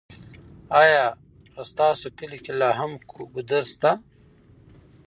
ایا په ستاسو کلي کې لا هم ګودر شته؟